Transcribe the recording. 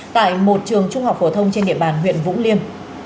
tại một trường trung học phổ thông trên địa bàn huyện vũng liêm